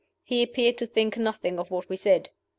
He appeared to think nothing of what we said.